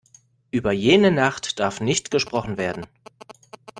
Über jene Nacht darf nicht gesprochen werden.